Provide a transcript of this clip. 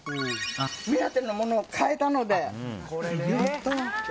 目当てのものを買えたので良かった。